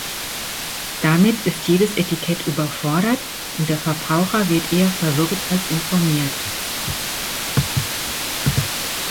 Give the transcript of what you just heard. Damit ist jedes Etikett überfordert, und der Verbraucher wird eher verwirrt als informiert.